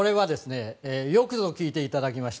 よくぞ聞いていただきました。